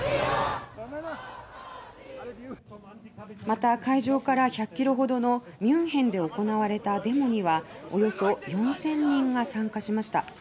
また、会場から１００ｋｍほどのミュンヘンで行われたデモにはおよそ４０００人が参加しました。